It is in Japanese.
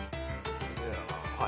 はい。